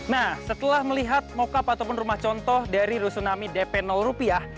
nah setelah melihat mokap ataupun rumah contoh dari rusunami dp rupiah